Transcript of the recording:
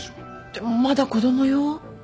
でもまだ子供よ？